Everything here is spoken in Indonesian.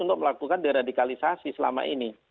kita harus melakukan deradikalisasi selama ini